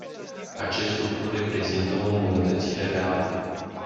Acest lucru reprezintă o îmbunătățire reală.